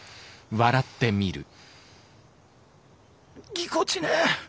ぎこちねえ。